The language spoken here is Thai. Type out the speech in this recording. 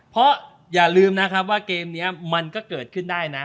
เพราะอย่าลืมนะครับว่าเกมนี้มันก็เกิดขึ้นได้นะ